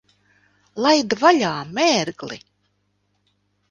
Laid vaļā, mērgli!